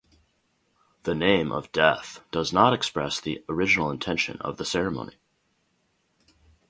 The name of Death does not express the original intention of the ceremony.